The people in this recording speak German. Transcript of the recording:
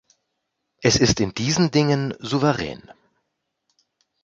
Es ist in diesen Dingen souverän.